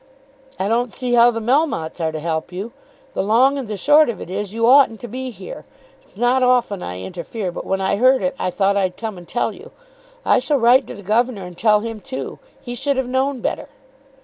"I don't see how the Melmottes are to help you. The long and the short of it is, you oughtn't to be here. It's not often I interfere, but when I heard it I thought I'd come and tell you. I shall write to the governor, and tell him too. He should have known better."